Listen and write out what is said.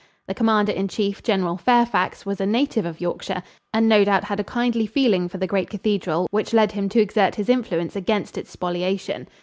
The Commander in Chief, General Fairfax, was a native of Yorkshire and no doubt had a kindly feeling for the great cathedral, which led him to exert his influence against its spoliation.